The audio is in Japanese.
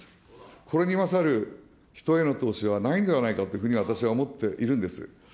これに勝る人への投資はないのではないかというふうに私は思っているんです。